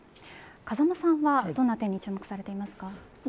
風間さんはどんな点に注目されていますか？